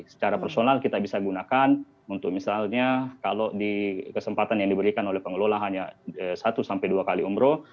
secara personal kita bisa gunakan untuk misalnya kalau di kesempatan yang diberikan oleh pengelola hanya satu sampai dua kali umroh